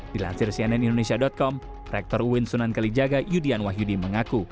dilansir cnn indonesia com rektor uin sunan kalijaga yudian wahyudi mengaku